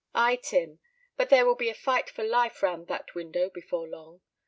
"Ay, Tim; but there will be a fight for life round that window before long.